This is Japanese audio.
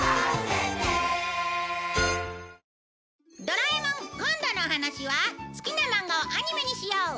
『ドラえもん』今度のお話は好きなマンガをアニメにしよう